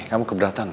kamu keberatan gak